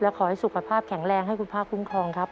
ขอให้สุขภาพแข็งแรงให้คุณพระคุ้มครองครับ